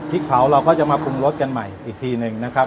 เผาเราก็จะมาปรุงรสกันใหม่อีกทีหนึ่งนะครับ